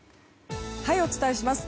お伝えします。